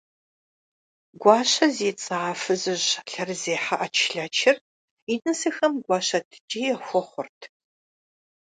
Гуащэ зи цӏэ а фызыжь лъэрызехьэ ӏэчлъэчыр, и нысэхэм гуащэ ткӏий яхуэхъурт.